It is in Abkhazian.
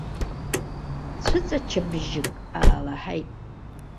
Цәыҵаччабжьык аалаҳаит.